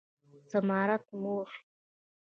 سمارټ موخې